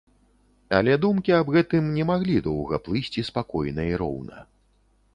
Але думкі аб гэтым не маглі доўга плысці спакойна і роўна.